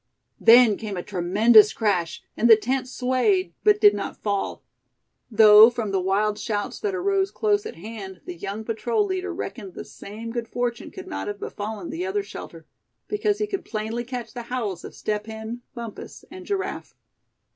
Then came a tremendous crash, and the tent swayed, but did not fall; though from the wild shouts that arose close at hand the young patrol leader reckoned the same good fortune could not have befallen the other shelter, because he could plainly catch the howls of Step Hen, Bumpus and Giraffe.